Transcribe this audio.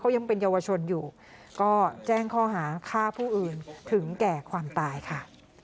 ยังเป็นเยาวชนอยู่ก็แจ้งข้อหาฆ่าผู้อื่นถึงแก่ความตายค่ะ